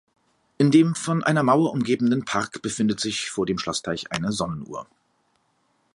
In dem von einer Mauer umgebenen Park befindet sich vor dem Schlossteich eine Sonnenuhr.